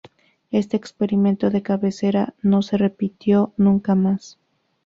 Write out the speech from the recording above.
Este experimento de cabecera no se repitió nunca más.